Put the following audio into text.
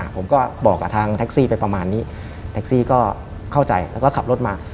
ผมก็บอกกับทางแท็กซี่ไปประมาณนี้แท็กซี่ก็เข้าใจแล้วก็ขับรถมา